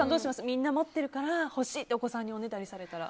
みんな持ってるから欲しいってお子さんにおねだりされたら。